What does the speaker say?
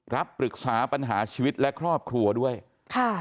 รับปรึกษาปัญหาชีวิตและครอบครัวด้วยค่ะ